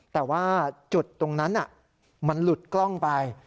แต่ว่าจุดตรงนั้นมันหลุดกล้องไป